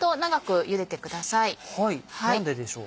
何ででしょう？